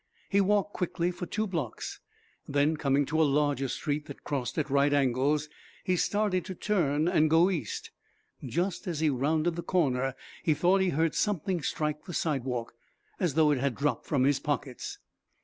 He walked quickly for two blocks, then, coming to a larger street that crossed at right angles, he started to turn and go east. Just as he rounded the corner he thought he heard something strike the sidewalk, as though it had dropped from his pockets.